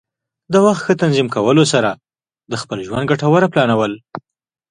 د وخت ښه تنظیم کولو سره د خپل ژوند ګټوره پلانول.